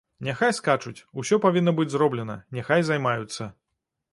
Няхай скачуць, усё павінна быць зроблена, няхай займаюцца.